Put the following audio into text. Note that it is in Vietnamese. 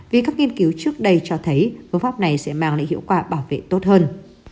vì các nghiên cứu trước đây cho thấy phương pháp này sẽ mang lại hiệu quả bảo vệ tốt hơn